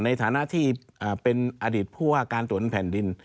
ในฐานะที่เป็นอดิษฐ์ผู้หากาญตนแผ่นดิน